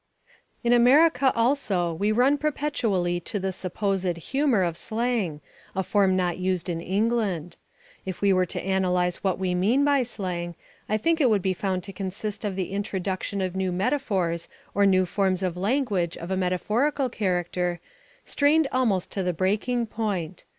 In America also we run perpetually to the (supposed) humour of slang, a form not used in England. If we were to analyse what we mean by slang I think it would be found to consist of the introduction of new metaphors or new forms of language of a metaphorical character, strained almost to the breaking point.